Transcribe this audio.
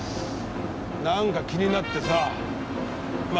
何か気になってさぁ。